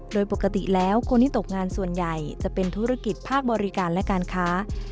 โดยปกติแล้วคนที่ตกงานส่วนใหญ่จะเป็นธุรกิจภาคบริการและการค้า